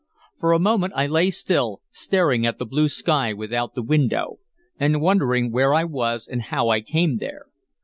For a moment I lay still, staring at the blue sky without the window, and wondering where I was and how I came there.